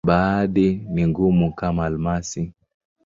Baadhi ni ngumu, kama almasi.